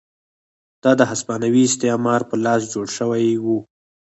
دا د هسپانوي استعمار په لاس جوړ شوي وو.